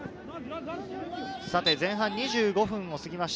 前半２５分を過ぎました。